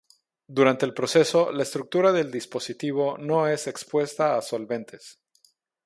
Durante el proceso, la estructura del dispositivo no es expuesta a solventes.